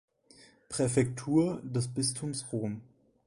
Präfektur des Bistums Rom.